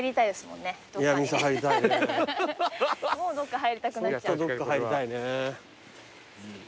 もうどっか入りたくなっちゃう。